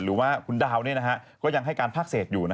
หรือว่าคุณดาวก็ยังให้การภาคเศษอยู่